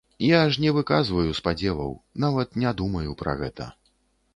Я ж не выказваю спадзеваў, нават не думаю пра гэта.